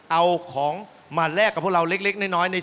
เอาของมาแลกกับพวกเราเล็กน้อย